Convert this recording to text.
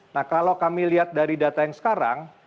nah kalau kami lihat dari data yang sekarang